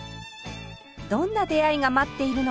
どんな出会いが待っているのか？